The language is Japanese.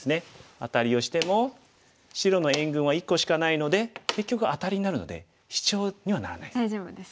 アタリをしても白の援軍は１個しかないので結局アタリになるのでシチョウにはならないです。